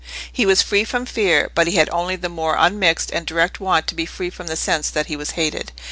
He was free from fear, but he had only the more unmixed and direct want to be free from the sense that he was hated.